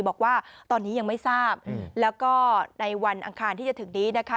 บอกว่าตอนนี้ยังไม่ทราบแล้วก็ในวันอังคารที่จะถึงนี้นะคะ